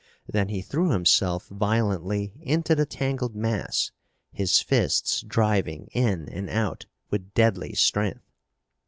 Then he threw himself violently into the tangled mass, his fists driving in and out with deadly strength!